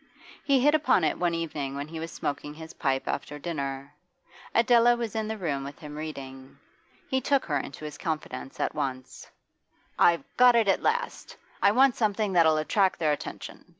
He hit upon it one evening when he was smoking his pipe after dinner. Adela was in the room with him reading. He took her into his confidence at once. 'I've got it at last! I want something that'll attract their attention.